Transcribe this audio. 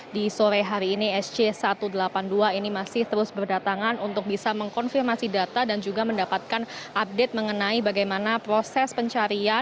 di sore hari ini sc satu ratus delapan puluh dua ini masih terus berdatangan untuk bisa mengkonfirmasi data dan juga mendapatkan update mengenai bagaimana proses pencarian